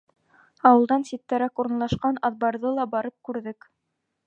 Ауылдан ситтәрәк урынлашҡан аҙбарҙы ла барып күрҙек.